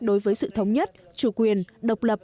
đối với sự thống nhất chủ quyền độc lập